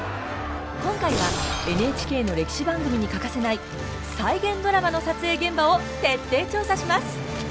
今回はＮＨＫの歴史番組に欠かせない再現ドラマの撮影現場を徹底調査します！